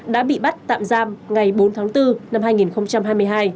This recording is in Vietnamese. đã bị bắt tạm giam ngày bốn tháng bốn năm hai nghìn hai mươi hai